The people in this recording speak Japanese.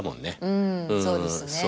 うんそうですね。